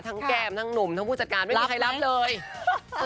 แก้มทั้งหนุ่มทั้งผู้จัดการไม่มีใครรับเลย